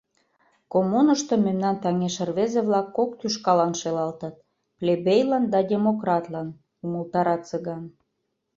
— Коммунышто мемнан таҥеш рвезе-влак кок тӱшкалан шелалтыт: плебейлан да демократлан, — умылтара Цыган.